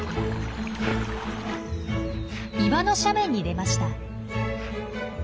岩の斜面に出ました。